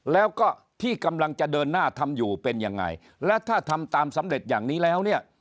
แล้วก็ที่กำลังจะเดินหน้าทำอยู่เป็นยังไงและถ้าทำตามสำเร็จอย่างนี้แล้วเนี่ย